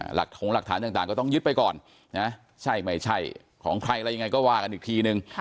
ถงหลักฐานต่างก็ต้องยึดไปก่อนนะใช่ไม่ใช่ของใครอะไรยังไงก็ว่ากันอีกทีนึง